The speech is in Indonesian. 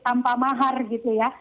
tanpa mahar gitu ya